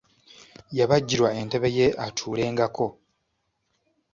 Yabajjirwa entebe ye atuulengako.